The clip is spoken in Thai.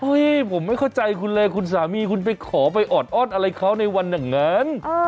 ผมไม่เข้าใจคุณเลยคุณสามีคุณไปขอไปออดอ้อนอะไรเขาในวันอย่างนั้น